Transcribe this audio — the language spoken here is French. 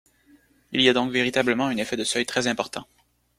Il y a donc véritablement un effet de seuil très important.